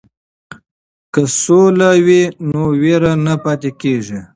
که سوله وي نو وېره نه پاتې کیږي.